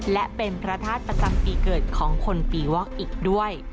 และเป็นพระธาตุประจำปีเกิดของคนปีวอกอีกด้วย